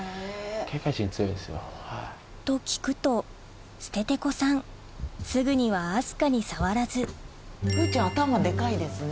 警戒心強いんですよ。と聞くとステテコさんすぐには明日香に触らず風ちゃん頭デカいですね。